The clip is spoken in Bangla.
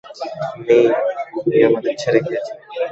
মেই, তুমি আমাদের ছেড়ে গিয়েছ।